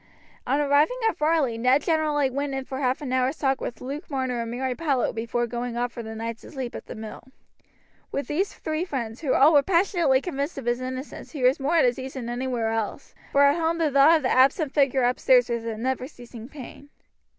On arriving at Varley Ned generally went in for half an hour's talk with Luke Marner and Mary Powlett before going off for the night to sleep at the mill. With these three friends, who all were passionately convinced of his innocence, he was more at his ease than anywhere else, for at home the thought of the absent figure upstairs was a never ceasing pain.